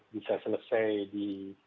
bisa selesai di